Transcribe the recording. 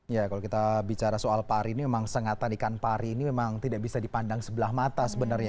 ya kalau kita bicara soal pari ini memang sengatan ikan pari ini memang tidak bisa dipandang sebelah mata sebenarnya